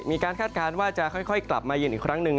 คาดการณ์ว่าจะค่อยกลับมาเย็นอีกครั้งหนึ่ง